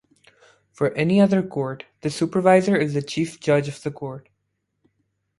For any other court, this supervisor is the chief judge of the court.